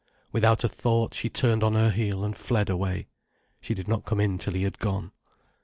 Without a thought, she turned on her heel and fled away. She did not come in till he had gone.